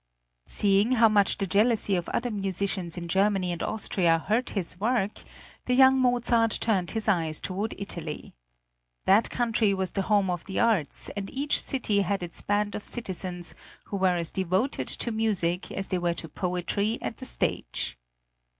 Seeing how much the jealousy of other musicians in Germany and Austria hurt his work, the young Mozart turned his eyes toward Italy. That country was the home of the arts, and each city had its band of citizens who were as devoted to music as they were to poetry and the stage.